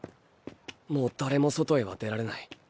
もう誰も外へは出られない。